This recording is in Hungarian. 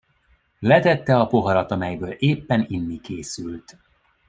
Letette a poharat, amelyből éppen inni készült.